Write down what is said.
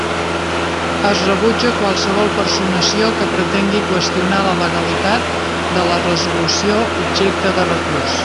Es rebutja qualsevol personació que pretengui qüestionar la legalitat de la resolució objecte de recurs.